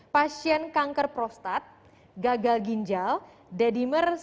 pasien kanker prostat gagal ginjal dedimer seribu tujuh ratus tiga puluh